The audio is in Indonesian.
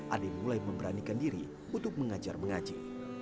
ade mulai memberanikan diri untuk mengajar mengaji